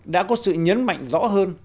đã có sự nhấn mạnh rõ hơn